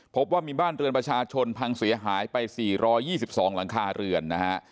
พบว่ามีบ้านเรือนประชาชนพังเสียหายไป๔๒๒หลังคาเรือนนะฮะ